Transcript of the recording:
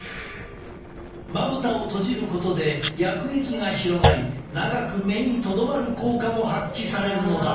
まぶたを閉じることで薬液が広がり長く目にとどまる効果も発揮されるのだ！